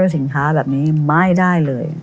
สินค้าแบบนี้ไม่ได้เลย